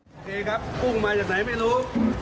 โอเคครับพุ่งมาจากไหนไม่รู้